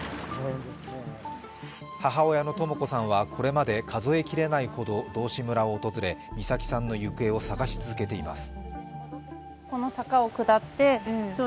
母親のとも子さんは、これまで数え切れないほど道志村を訪れ美咲さんの行方を捜し続けています。